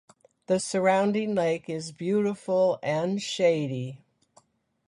The surrounding lake is beautiful and shady.